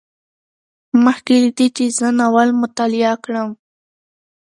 مخکې له دې چې زه ناول مطالعه کړم